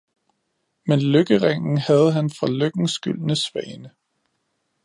Men lykkeringen havde han fra lykkens gyldne svane